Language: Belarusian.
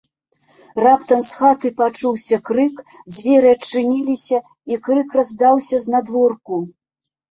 Раптам з хаты пачуўся крык, дзверы адчыніліся, і крык раздаўся знадворку.